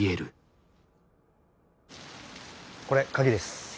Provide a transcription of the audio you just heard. これ鍵です。